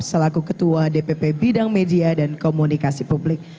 selaku ketua dpp bidang media dan komunikasi publik